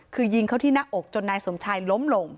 คือยิงเขาที่หน้าอกจนนายสมชายล้มลง